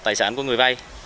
tài sản của người vay